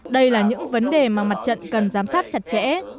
đây là những vấn đề mà mặt trận cần giám sát chặt chẽ